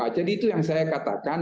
jadi itu yang saya katakan